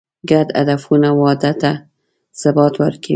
ګډ هدفونه واده ته ثبات ورکوي.